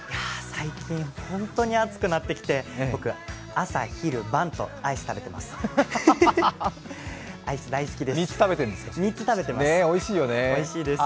最近、ホントに暑くなってきて朝、昼、晩とアイス食べてます。